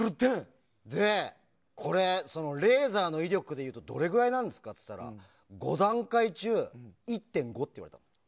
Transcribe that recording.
これ、レーザーの威力でいうとどれぐらいなんですか？って聞いたら５段階中、１．５って言われた。